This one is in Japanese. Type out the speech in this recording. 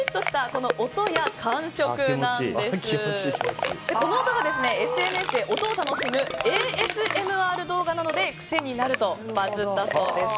この音がＳＮＳで音を楽しむＡＳＭＲ動画などで癖になるとバズったそうです。